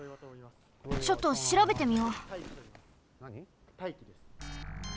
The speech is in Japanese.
ちょっとしらべてみよう。